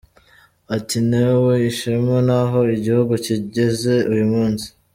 Ati “Ntewe ishema n’aho igihugu kigeze uyu munsi.